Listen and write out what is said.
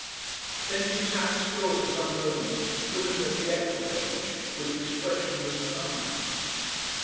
Then she sat still for some moments looking at the equipage with expressionless eyes.